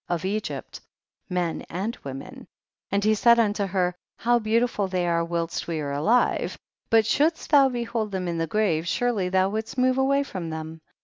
of Egypt, men and women ; and he said unto her, how beautiful they are whilst we are alive, but shouldst thou behold them in the grave, surely thou wouldst move away from them.